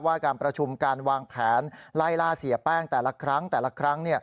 การประชุมการวางแผนไล่ล่าเสียแป้งแต่ละครั้งแต่ละครั้ง